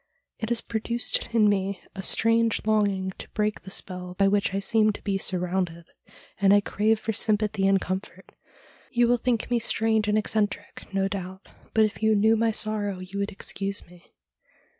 It has produced in me a strange longing to break the spell by which I seem to be surrounded, and I crave for sympathy and comfort. You will think me strange and eccentric, no doubt, but if you knew my sorrow you would excuse me.'